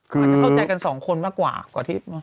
อาจจะเข้าใจกันสองคนมากกว่าที่